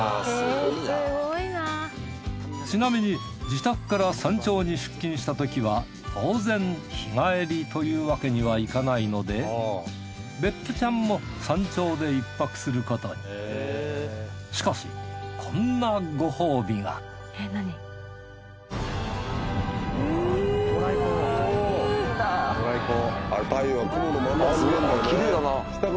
ちなみに自宅から山頂に出勤したときは当然日帰りというわけにはいかないのでしかしこんなご褒美がきれいだな。